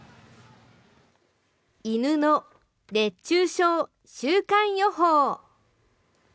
犬の熱中症週間予報。